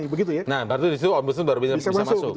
nah berarti disitu ombudsman baru bisa masuk